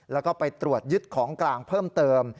แล้วก็ไปตรวจยึดของกลางเพิ่มเติม